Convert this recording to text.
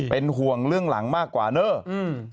เป็นห่วงเรื่องหลังมากกว่าเนอะ